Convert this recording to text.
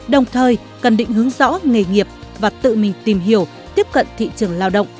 đồng thời cần định hướng rõ nghề nghiệp và tự mình tìm hiểu tiếp cận thị trường lao động